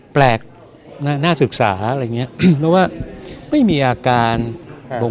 แปลกน่าศึกษาอะไรอย่างเงี้ยเพราะว่าไม่มีอาการบอก